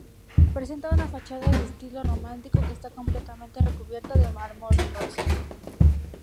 Presenta una fachada de estilo románico que está completamente recubierta de mármol rosa.